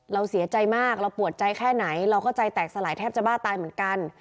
เราเสียใจมากเราปวดใจแค่ไหนเราก็ใจแตกสลายแทบจะบ้าตายเหมือนกัน